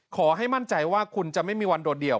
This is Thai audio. ขอให้มั่นใจว่าคุณจะไม่มีวันโดดเดี่ยว